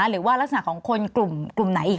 หรือว่ารักษณะของคนกลุ่มไหนอีก